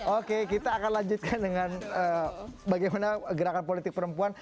oke kita akan lanjutkan dengan bagaimana gerakan politik perempuan